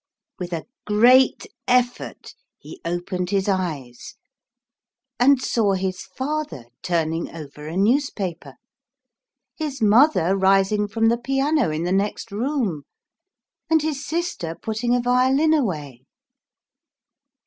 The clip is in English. With a great effort he opened his eyes, and saw his father turning over a newspaper, his mother rising from the piano in the next room, and his sister putting a violin away.